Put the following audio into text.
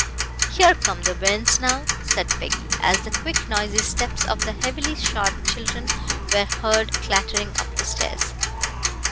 "Here come the bairns now," said Peggy, as the quick, noisy steps of the heavily shod children were heard clattering up the stairs.